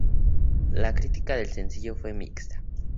La crítica del sencillo fue mixta.